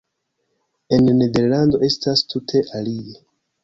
En Nederlando estas tute alie.